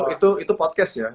itu podcast ya